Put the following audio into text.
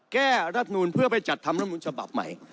รัฐนูลเพื่อไปจัดทำรัฐมนุนฉบับใหม่